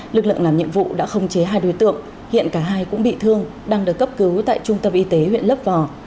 lực lượng làm nhiệm vụ đã khống chế hai đối tượng hiện cả hai cũng bị thương đang được cấp cứu tại trung tâm y tế huyện lấp vò